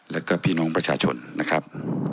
แล้วก็พี่น้องประชาชนนะครับ